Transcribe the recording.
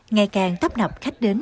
ngày càng tấp nập khách đến